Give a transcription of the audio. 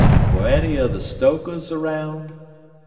"Were any of the stokers around?"